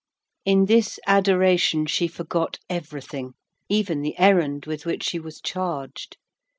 In this adoration she forgot everything, even the errand with which she was charged.